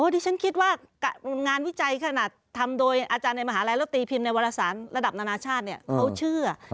ที่ฉันคิดว่างานวิจัยขนาดทำโดยอาจารย์ในมหาลัยแล้วตีพิมพ์ในวารสารระดับนานาชาติเขาเชื่อ